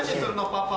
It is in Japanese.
パパ。